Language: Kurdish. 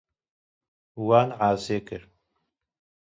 Wan asê kir.